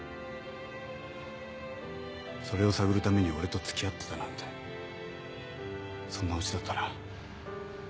それを探るために俺と付き合ってたなんてそんなオチだったら勘弁してくれ。